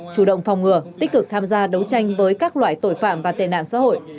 chủ động phòng ngừa tích cực tham gia đấu tranh với các loại tội phạm và tệ nạn xã hội